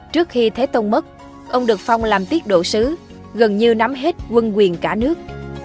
trước khi thế tông mất ông được phong làm tiết độ sứ gần như nắm hết quân quyền cả nước